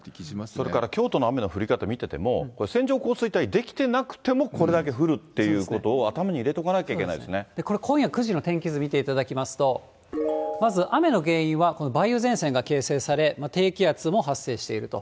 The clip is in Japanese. それから京都の雨の降り方を見てても、これ、線状降水帯出来てなくてもこれだけ降るっていうことを頭に入れとかなきゃいけなこれ、今夜９時の天気図を見ていただきますと、まず雨の原因はこの梅雨前線が形成され、低気圧も発生していると。